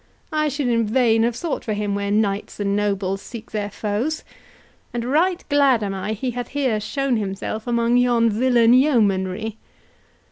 I should in vain have sought for him where knights and nobles seek their foes, and right glad am I he hath here shown himself among yon villain yeomanry."